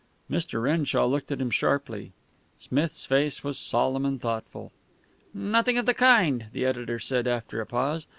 Mr. Renshaw looked at him sharply. Smith's face was solemn and thoughtful. "Nothing of the kind," the editor said, after a pause.